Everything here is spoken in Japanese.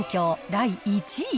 第１位。